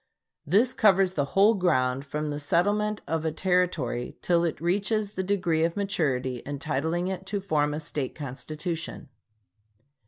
This covers the whole ground from the settlement of a Territory till it reaches the degree of maturity entitling it to form a State constitution.